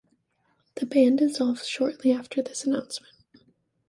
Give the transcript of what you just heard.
The band dissolved shortly after this announcement.